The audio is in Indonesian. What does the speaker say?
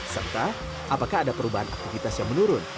serta apakah ada perubahan aktivitas yang menurun